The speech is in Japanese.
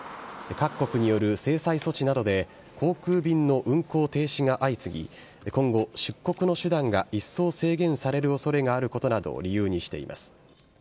各国による制裁措置などで航空便の運航停止が相次ぎ、今後、出国の手段が一層制限されるおそれがあることなどを理由にしています。